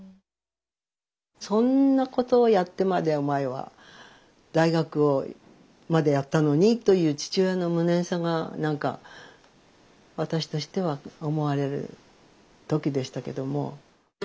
そんなことをやってまでお前は大学までやったのにという父親の無念さが何か私としては思われる時でしたけども。